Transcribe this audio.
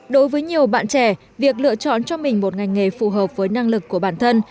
đối với nhiều bạn trẻ việc lựa chọn cho mình một ngành nghề phù hợp với năng lực của bản thân